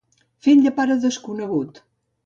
Fill de pare desconegut.